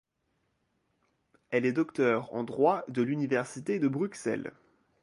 Elle est docteur en droit de l'Université de Bruxelles.